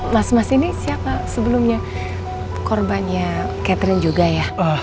mas mas ini siapa sebelumnya korbannya catherine juga ya